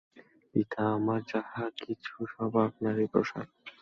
পিতা, আমার যাহা-কিছু সব আপনারই প্রসাদে।